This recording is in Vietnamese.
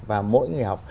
và mỗi người học